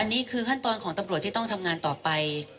อันนี้คือขั้นตอนของตำรวจที่ต้องทำงานต่อไป